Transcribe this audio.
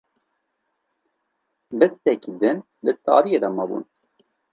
Bistekî din di tariyê de mabûm